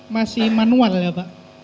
masih manual ya pak